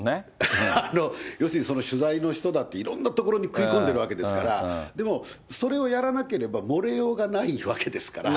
要するに、その取材の人だって、いろんなところに食い込んでいるわけですから、でもそれをやらなければ漏れようがないわけですから。